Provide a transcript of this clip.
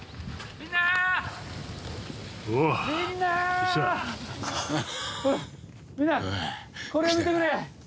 みんなこれを見てくれ。